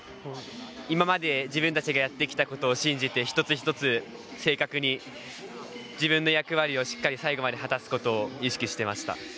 今まで自分たちがやってきたことを信じて、１つ１つ正確に自分の役割を最後まで果たすことを意識していました。